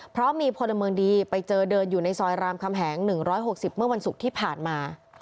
เพราะมีพลเมืองดีไปเจอเดินอยู่ในซอยรามคำแหง๑๖๐เมื่อวันศุกร์ที่ผ่านมา